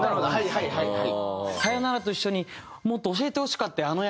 はいはいはい。